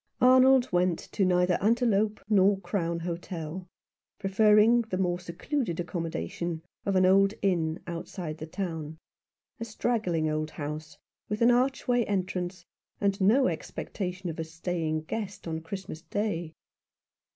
Arnold went to neither Antelope nor Crown Hotel, preferring the more secluded accommodation of an old inn outside the town, a straggling old house, with an archway entrance, and no expectation of a staying guest on Christmas Day.